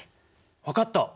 分かった！